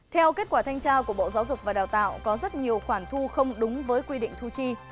theo kết quả thanh tra của bộ giáo dục và đào tạo có rất nhiều khoản thu không đúng với quy định thu chi